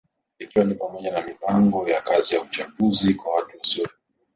Ikiwa ni pamoja na mipango ya kazi ya uchunguzi kwa watu wasio na dalili